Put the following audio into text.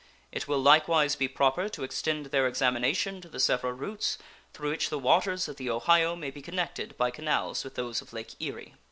It will likewise be proper to extend their examination to the several routes through which the waters of the Ohio may be connected by canals with those of Lake Erie.